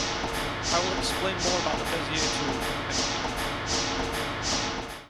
I will explain more about the Bezier tool at the next meeting.